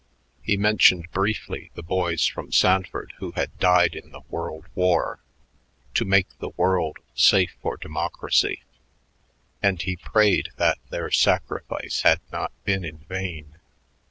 He mentioned briefly the boys from Sanford who had died in the World War "to make the world safe for democracy," and he prayed that their sacrifice had not been in vain.